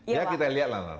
ya kita lihat lah